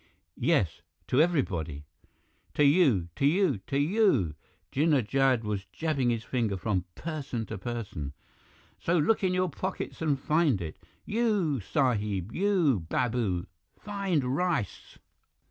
"Yes, to everybody! To you to you to you." Jinnah Jad was jabbing his finger from person to person. "So look in your pockets and find it! You, sahib you, babu find rice!"